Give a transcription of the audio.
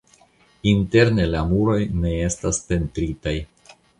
Interne la muroj ne estas pentritaj.